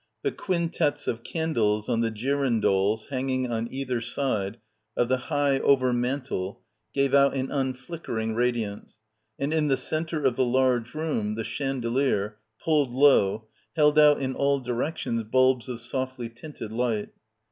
The quintets of candles on the girandoles hang ing on either side of the high overmantel gave out an unflickering radiance, and in the centre of the large room the chandelier, pulled low, held out in all directions bulbs of softly tinted light.